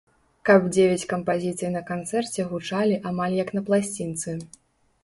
Каб дзевяць кампазіцый на канцэрце гучалі амаль як на пласцінцы.